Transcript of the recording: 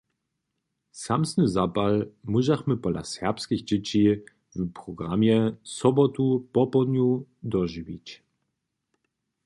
Samsny zapal móžachmy pola serbskich dźěći w programje sobotu popołdnju dožiwić.